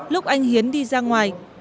lúc anh hiến đi ra ngoài